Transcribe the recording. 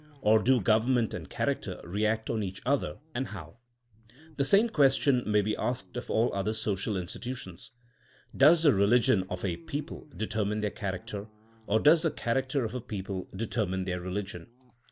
Or do government and character react on each other, and howT The same question may be asked of all other social institutions. Does the religion of a people determine their charac ter, or does the character of a people determine their religion?